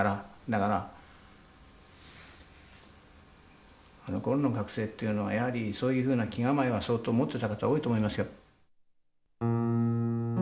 だからあのころの学生っていうのはやはりそういうふうな気構えは相当持ってた方多いと思いますよ。